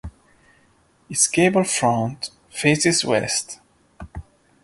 Its gable front faces west.